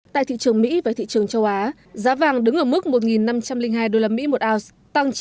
tại thị trường mỹ và thị trường châu á giá vàng đứng ở mức một năm trăm linh hai usd một ounce